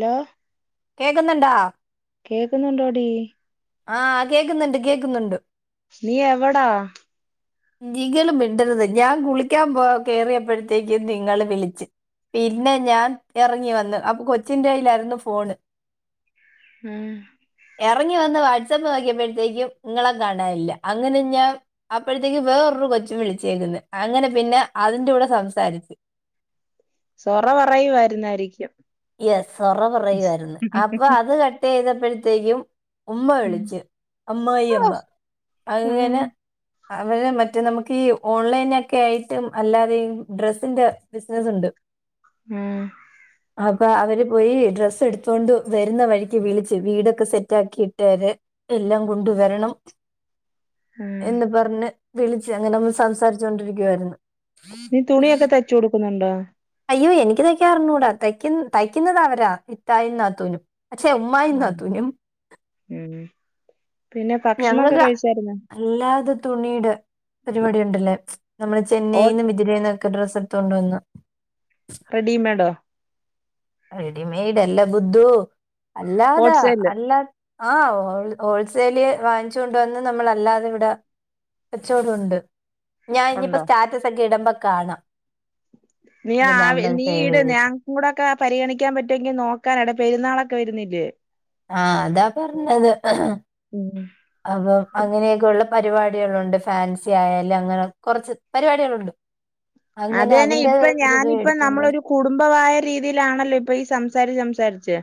Law കേക്ക് ന്ന്ണ്ടോ? കേക്കുന്നുണ്ടോടീ ആഹ് കേക്ക് ന്ന്ണ്ട്, കേക്ക് ന്ന്ണ്ട് നീ എവടാ? നി കേള് മിണ്ടരുത്. ഞാ കുളിക്കാൻ പോ കേറിയപ്പോഴത്തേക്കും നിങ്ങള് വിളിച്ച്. പിന്നെ ഞാൻ എറങ്ങി വന്ന്. അപ്പൊ കൊച്ചിന്റെയ്യിലായിരുന്നു ഫോണ്. ഉം എറങ്ങി വന്ന് വാട്സപ്പ് നോക്കിയപ്പോഴത്തേക്കും ങ്ങളെ കാണാനില്ല. അങ്ങനെ ഞാ പ്പഴത്തേക്ക് വേറൊരു കൊച്ചും വിളിച്ചേക്കന്ന്. അങ്ങനെ പിന്നെ അതിൻ്റൂടെ സംസാരിച്ച്. സൊറ പറയുവായിരുന്നായിരിക്കും. എസ്. സൊറ പറയുയായി ര്ന്ന്. അപ്പൊ അത് കട്ടൈ യ്തപ്പോഴത്തേക്കും ഉമ്മ ഉം വിളിച്ച്. അമ്മായി അമ്മ ഉം അങ്ങനെ അവര് മറ്റേ നമുക്ക് ഈ ഓൺലൈനെക്കെ ആയിട്ടും അല്ലാതെയും ഡ്രസ്സ്ന്റെ ബിസിനസ്സ് ണ്ട്. ഉം അപ്പൊ അവര് പോയി ഡ്രസ്സെട് ത്തോണ്ട് വരുന്ന വഴിക്ക് വിളിച്ച്. വീടൊക്കെ സെറ്റാക്കിയിട്ടേരെ എല്ലാം കൊണ്ട് വരണം എന്ന് പറഞ്ഞ് വിളിച്ച്. അങ്ങനെ ഒന്ന് സംസാരിച്ചേണ്ടിരിക്കുവായിര്ന്ന്. നീ തുണിയൊക്കെ തഴിച്ച് കൊടുക്കുന്നുണ്ടോ? അയ്യോ എനിക്ക് തയ്ക്കാൻ അറിഞ്ഞൂടാ. തായ്ക്കുന്ന് തയ്ക്കുന്നത് അവരാ. ഇത്തായും, നാത്തൂനും. അച്ഛേ ഉമ്മായും, ഉം നാതുനും. പിന്നെ ഭക്ഷണൊക്കെ ഞങ്ങക്ക് കഴിച്ചായിരുന്നോ അല്ലാതെ തുണിയ്ടെ പരിപാടി ഉണ്ടല്ലേ. നമ്മള് ഓ ചെന്നൈയിന്ന് തിരീന്നൊക്കെ ഡ്രസ്സ് ട്ത്തൊണ്ടോന്ന റെഡീമേഡോ? റെഡിമേഡ് അല്ല ബുദ്ധൂ. അല്ലാതാ ഹോൾസെയില് അല്ലാ അഹ് ഹോൾ ഹോൾസൈല് വാങ്ങിച്ചു കൊണ്ട് വന്ന് നമ്മള് അല്ലാതെ ഇവ്ടെ തച്ചോട് ഉണ്ട്. ഞാ ഇഞ്ഞിപ്പോ ഉണ്ടോ സ്റ്റാറ്റൊസൊക്കെ ഇടുമ്പ കാണ. നീ ആവ്. നീ ഇട് ഞാ കൂടെക്കെ പരിഗണിക്കാ പറ്റൊങ്കി നോക്കാനാണ്. പെരുന്നാളൊക്കെ വരുന്നില്ലേ. ആഹ് അതാ പർഞ്ഞത്. ഉം അപ്പം അങ്ങനെയൊക്കെള്ള പരിപാടികളുണ്ട്. ഫാൻസി ആയാല് അങ്ങനെ കൊറച്ച് പരിപാടികളൊണ്ട്. അത് എന്നെ ഇപ്പം ഞാനിപ്പം എടുത്തുണ്ട് നമ്മളൊരു കുടുംബമായൊര് രീതിയിലാണല്ലോ ഇപ്പൊ ഈ സംസാരിച്ച്, സംസാരിച്ച്.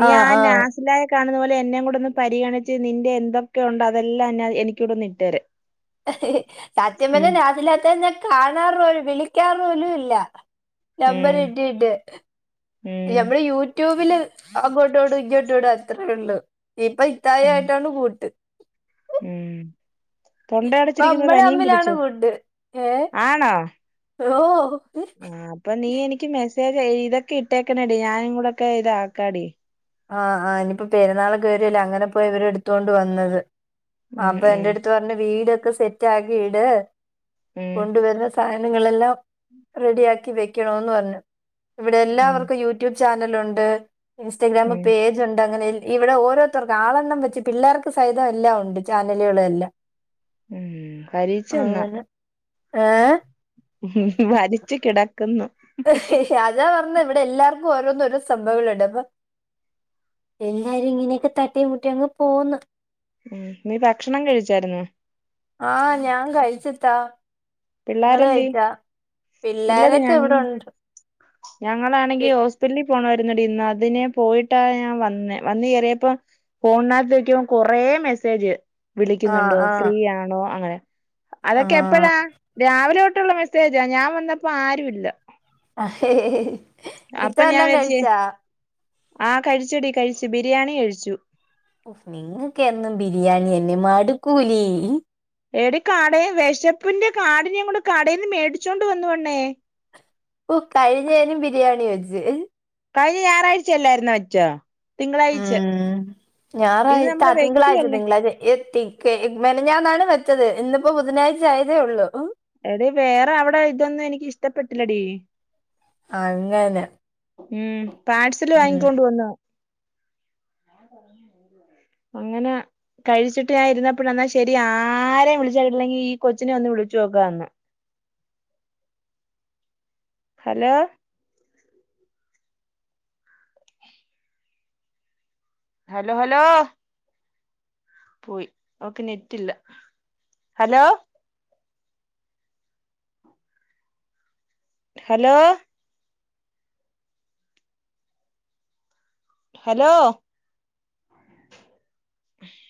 നീ ആ നാസി ന്തായ കാണുന്നത് പോലെ എന്നെയും കൂടൊന്ന് പരിഗണിച്ച് നിൻ്റെ എന്തൊക്കെ ഉണ്ടൊ അതെല്ലാം ഞാൻ എനിക്കൂടി ഒന്ന് ഇട്ടെ രാൻ. സത്യം പർഞ്ഞാ നാസിലാത്താനെ ഞാൻ കാണാറ് പോലും, വിളിക്കാറ് പോലും ഇല്ല. നമ്പർ ഉം കിട്ടീട്ട്. ഉം ഞമ്മൾ യൂ ട്യൂബില് അങ്ങോട്ടോടും ഇങ്ങോട്ടോടും അത്രയേ ഉള്ളൂ. ഇപ്പം ഇത്തായ് ഉം ആയിട്ടാണ് കൂട്ട്. ഉം. തൊണ്ട ഇപ്പൊ അടിച്ചിരിക്കുന്നത് നമ്മള് പനിയും തമ്മിലാണ് പിടിച്ചോ? കൂട്ട് ഏ ആണോ ഓ ആ അപ്പൊ നീ എനിക്ക് മെസ്സേജ് ഇതൊക്കെ ഇട്ടേക്കണേടി ഞാനും കൂടെക്കെ ഇതാക്കാടി ആ ആ ഇനിയിപ്പോ പെരുന്നാളൊക്കെ വരോല്ലേ അങ്ങനെ പോയി ഇവര് എടുത്തൊണ്ട് വന്നത് ആ ഉം അപ്പ ഉം എന്റെ എട്ത്ത് പർഞ് വീട് ഒക്കെ സെറ്റ് ആക്കി ഇട് ഉം കൊണ്ടുവരുന്ന സ സാനങ്ങളെല്ലാം റെഡി ആക്കി വെക്കണോന്ന് പർഞ്ഞു ഇവടെ ഉം എല്ലാവർക്കും യു യൂട്യൂബ് ചാനലുണ്ട് ഇൻസ്റ്റഗ്രാമ് ഉം പേ ജു ഉണ്ട് അങ്ങനെ ഇവടെ ഓരോര്ത്തർക്ക് ആളെണ്ണം വെച്ച് പിള്ളേർക്ക് സഹിതം എല്ലാം ഉണ്ട് ചാനലുകള് എല്ലാം ഉം കരീച്ച എന്നാ അങ്ങനെ ഏ വരിച് കിടക്കുന്നു അതാ പർഞ്ഞെ ഇവടെ എല്ലാർക്കും ഓരോന്നും ഓരോ സംവങ്ങളുണ്ട് അപ്പൊ എല്ലാരും ഇങ്ങനെയൊക്കെ തട്ടി മുട്ടി അങ്ങ് പോന്ന് ഉം നീ ഭക്ഷണം കഴിച്ചായിര്ന്നോ ആ ഞാൻ കഴിച് ഇത്താ ഇങ്ങള് പിള്ളാരെന്തേ കഴിച്ചാ ഇല്ലടി പിള്ളെരൊക്ക ഞങ്ങ ഇവടോണ്ട് ഞങ്ങളാണെങ്കി ഹോസ്പിറ്റൽലി പോണായിര്ന്നടി ഇന്ന് അതിനെ പോയിട്ടാ ഞാൻ വന്നേ വന്ന് കേറിയപ്പോ ഫോൺനകത്ത് നോക്കിയപ്പം കൊറേ മെസ്സേജ് ആ വിളിക്കുന്നുണ്ടോ ആ ഫ്രീ ആണോ അങ്ങനെ അതൊക്കെ എപ്പഴാ ആ രാവിലെ തോട്ടുള്ള മെസ്സേജാ ഞാൻ വന്നപ്പോ ആരു ഇല്ല ഇത്ത അപ്പൊ ഞാൻ വല്ലോം വിചാരിച്ച് കഴിച്ചാ ആ കഴിച്ചടി കഴിച്ചു ബിരിയാണി കഴിച്ചു ഉഫ് നിങ്ങക്ക് എന്നും ബിരിയാണി യന്നെ മടുക്കൂലേ എടി കടയിൽ വെശപ്പിന്റെ കാഠിന്യംകൊണ്ട് കടയിൽ നിന്ന് മേടിച്ചോണ്ട് വന്ന് പെണ്ണേ ഓ കഴിഞ്ഞേനും ബിരിയാണി വെച്ച് കഴിഞ്ഞ ഞായറാഴ്ചയല്ലായിരുന്നോ വെച്ച ഉം ഇത് ഞാറായ്ച്ച ആ നമ്മള് തിങ്കളാഴ്ച്ച വെക്കുവല്ലേ തിങ്കളാഴ്ച്ച എത്തി ക്കെ മെനഞ്ഞാന്നാണ് വെച്ചത് ഇന്നിപ്പോ ബുധനാഴ്ച ആയതേ ഒള്ളൂ എടി വേറെ അവടെ ഇതൊന്നും എനിക്ക് ഇഷ്ടപ്പെട്ടില്ലടി അങ്ങനെ ഉം പായ്സല് ഉം. വാങ്ങികൊണ്ട് വന്ന അങ്ങന കഴിച്ചിട്ട് ഞാൻ ഇരുന്നപ്പോഴ എന്നാ ശരി ആരേ വിളിച്ച കിട്ടില്ലെങ്കി ഈ കൊച്ചിനെ ഒന്ന് വിളിച്ചു നോക്കാന്ന് ഹലോ ഹലോ ഹലോ പോയി ഓക്ക് നെറ്റില്ല ഹലോ ഹലോ ഹലോ ആഹ്